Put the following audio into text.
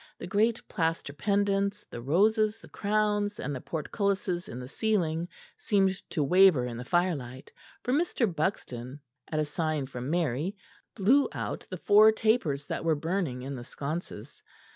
The great plaster pendants, the roses, the crowns, and the portcullises on the ceiling seemed to waver in the firelight, for Mr. Buxton at a sign from Mary blew out the four tapers that were burning in the sconces.